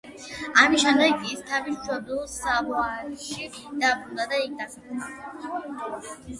ამის შემდეგ იგი თავის მშობლიურ სავოიაში დაბრუნდა და აქ დასახლდა.